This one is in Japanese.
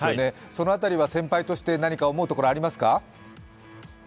その辺りは先輩として、何か思うところはありますか？